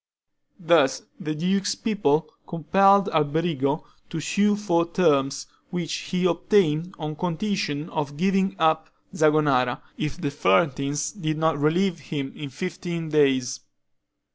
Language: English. Thus the duke's people compelled Alberigo to sue for terms, which he obtained on condition of giving up Zagonara, if the Florentines did not relieve him within fifteen days.